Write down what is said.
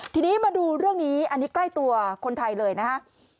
ทีนี้มาดูเรื่องนี้อันนี้ใกล้ตัวคนไทยเลยนะครับ